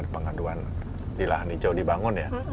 pengaduan di lahan hijau dibangun ya